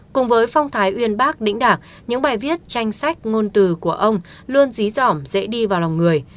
cùng với phong thái uyên bác đĩnh đạp những bài viết tranh sách ngôn từ của ông luôn dí dỏm dễ đi vào lòng người